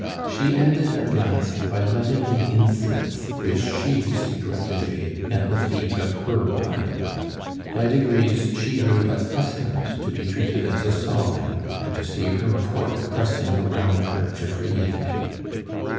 She ended at last by loving the incense, which she secretly laid at the feet of her idol. By degrees she grew accustomed to be treated as a sovereign and to see her court pressing around her every evening.